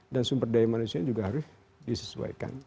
dan sumber daya manusia juga harus disesuaikan